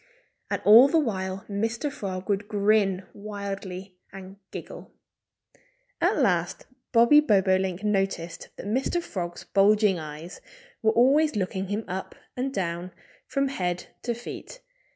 And all the while Mr. Frog would grin widely and giggle. At last Bobby Bobolink noticed that Mr. Frog's bulging eyes were always looking him up and down, from head to feet.